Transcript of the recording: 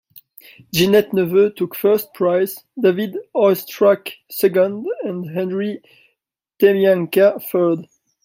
Ginette Neveu took first prize, David Oistrakh second, and Henri Temianka third.